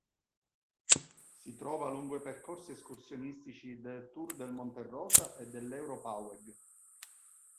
Si trova lungo i percorsi escursionistici del Tour del Monte Rosa e dell'Europaweg.